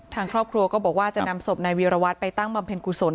ทางครอบครัวก็บอกว่าจะนำศพณวิวรวัทย์ไปตั้งบำแผ่นกุศล